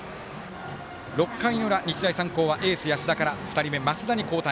６回の裏、日大三高はエース、安田から２人目の増田に交代。